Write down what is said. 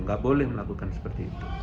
nggak boleh melakukan seperti itu